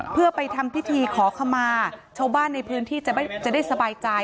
เพื่อไปทำพิธีขอขมาชาวบ้านในพื้นที่จะได้สบายใจ